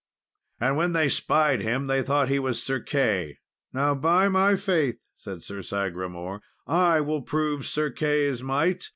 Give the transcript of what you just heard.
And when they spied him, they thought he was Sir Key. "Now by my faith," said Sir Sagramour, "I will prove Sir Key's might!"